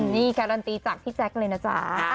นี่การันตีจากพี่แจ๊คเลยนะจ๊ะ